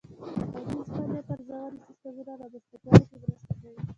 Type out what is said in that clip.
د غږیز فعالیت ارزونې سیسټمونه رامنځته کولو کې مرسته کوي.